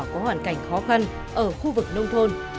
có hoàn cảnh khó khăn ở khu vực nông thôn